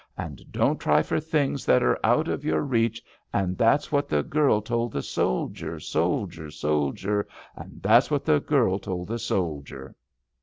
And don't try for things that are out of your reach, And that's what the girl told the soldier, soldier, soldier, And that's what the girl told the soldier."